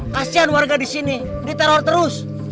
jangan warga disini diteror terus